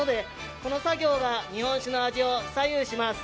この作業が日本酒の味を左右します。